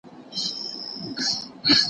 چې دوی پرې وياړ وکړي.